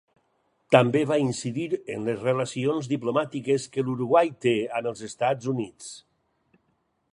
També va incidir en les relacions diplomàtiques que l'Uruguai té amb els Estats Units.